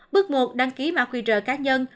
bước một đăng ký mã quy trợ cá nhân